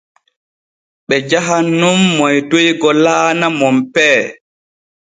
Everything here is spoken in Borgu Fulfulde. Ɓe jahan nun moytoygo laana Monpee.